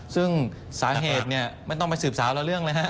ซึ่งสาเหตุเนี่ยไม่ต้องไปสืบสาวละเรื่องเลยฮะ